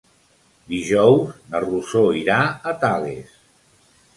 Dijous na Rosó irà a Tales.